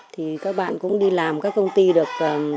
thì các bạn cũng đi làm các công ty được